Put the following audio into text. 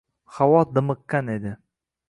Havo dimiqqan edi